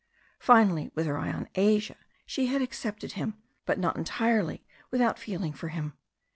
Finally, with her eye on Asia, she had accepted him, but not entirely without feeling for him.